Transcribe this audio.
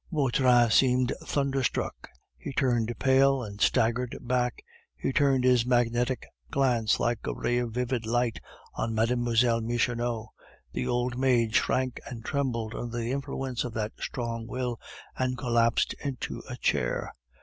Vautrin seemed thunderstruck. He turned pale, and staggered back. He turned his magnetic glance, like a ray of vivid light, on Mlle. Michonneau; the old maid shrank and trembled under the influence of that strong will, and collapsed into a chair.